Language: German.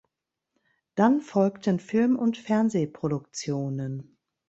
Dann folgten Film- und Fernsehproduktionen.